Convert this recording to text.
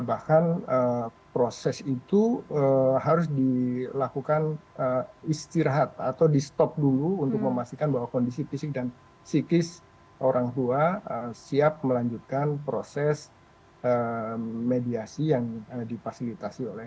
bahkan proses itu harus dilakukan istirahat atau di stop dulu untuk memastikan bahwa kondisi fisik dan psikis orang tua siap melanjutkan proses mediasi yang difasilitasi oleh